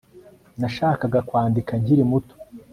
nashakaga kwandika nkiri muto